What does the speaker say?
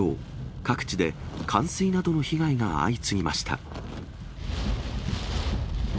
各地で冠水などの被害が相次ぎました。